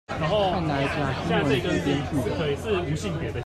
看來假新聞是編劇的